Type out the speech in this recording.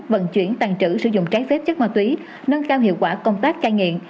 vận chuyển tàn trữ sử dụng trái phép chất ma túy nâng cao hiệu quả công tác cai nghiện